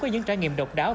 có những trải nghiệm độc đáo